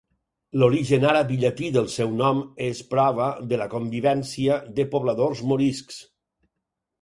L'origen àrab i llatí del seu nom és prova de la convivència de pobladors moriscs.